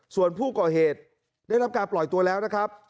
ส่วนผู้ก่อเหตุได้รับการปล่อยตัวแล้วนะครับ